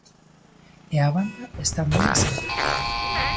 E a banda está moi asentada.